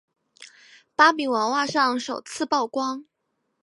芭比娃娃上首次曝光。